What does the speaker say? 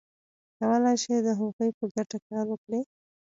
کولای شي د هغوی په ګټه کار وکړي.